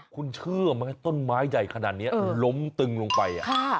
คุณเชื่อไหมต้นไม้ใหญ่ขนาดนี้ล้มตึงลงไป